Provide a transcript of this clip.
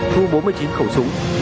thu bốn mươi chín khẩu súng